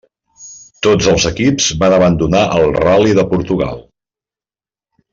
Tots els equips van abandonar el Ral·li de Portugal.